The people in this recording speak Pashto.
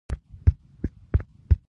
اوس همدغه نېشنلېزم د هویت بنسټ ګڼل کېږي.